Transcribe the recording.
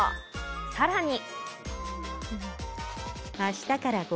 さらに。